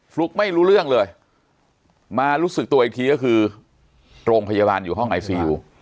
ฟลุกไม่รู้เรื่องเลยมารู้สึกตัวอีกทีก็คือโรงพยาบาลอยู่ห้องไอซียู